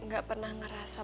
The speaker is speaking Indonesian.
gak pernah ngerasa